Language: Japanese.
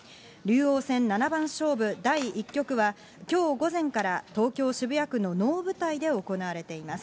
竜王戦七番勝負第１局は、きょう午前から東京・渋谷区の能舞台で行われています。